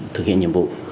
thực hiện nhiệm vụ